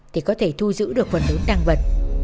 thì có thể thu giữ được phần lớn tăng vật